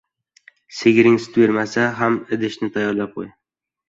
• Sigiring sut bermasa ham idishni tayyorlab qo‘y.